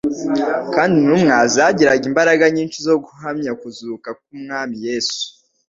«Kandi intumwa zagiraga imbaraga nyinshi zo guhamya kuzuka k'Umwami Yesu;